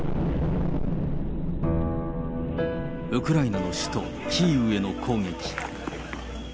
ウクライナの首都キーウへの攻撃。